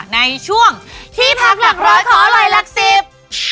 ในช่วงที่พักหลักร้อยของอร่อยหลักสิบ